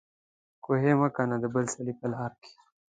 کوهي مه کېنده د بل سړي په لار کې